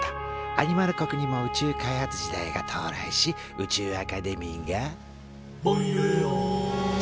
アニマル国にも宇宙開発時代が到来し宇宙アカデミーが「ぼんよよよん」と誕生。